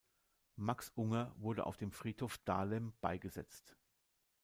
Max Unger wurde auf dem Friedhof Dahlem beigesetzt.